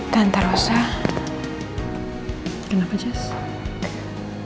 dan tarosa kenapa jas